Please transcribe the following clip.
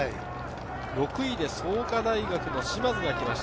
６位で創価大学の嶋津が来ました。